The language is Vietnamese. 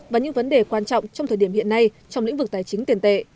và những vấn đề quan trọng trong thời điểm hiện nay trong lĩnh vực tài chính tiền tệ